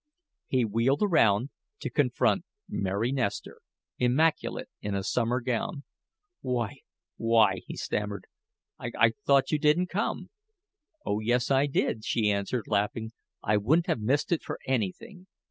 He wheeled around, to confront Mary Nestor, immaculate in a summer gown. "Why why," he stammered. "I I thought you didn't come." "Oh, yes I did," she answered, laughing. "I wouldn't have missed it for anything.